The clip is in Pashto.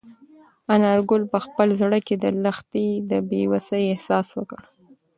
انارګل په خپل زړه کې د لښتې د بې وسۍ احساس وکړ.